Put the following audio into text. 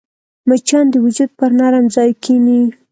مچان د وجود پر نرم ځای کښېني